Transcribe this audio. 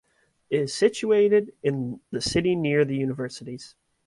It is situated in the city near the universities.